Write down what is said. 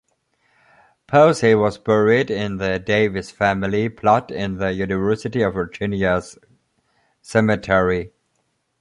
Posey was buried in the Davis family plot in the University of Virginia Cemetery.